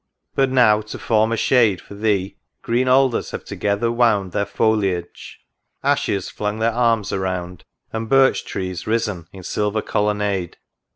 — but now, to form a shade For Thee, green alders have together wound Their foliage ; ashes flung their arms around ; And birch trees risen in silver colonnade.